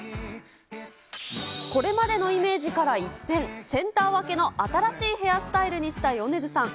これまでのイメージから一変、センター分けの新しいヘアスタイルにした米津さん。